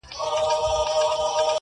چي مي سترګي د یار و وینم پیالو کي ,